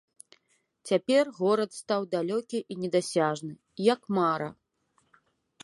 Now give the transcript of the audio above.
Цяпер горад стаў далёкі і недасяжны, як мара.